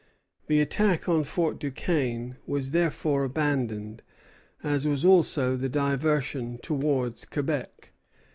The attack on Fort Duquesne was therefore abandoned, as was also the diversion towards Quebec.